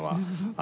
あ。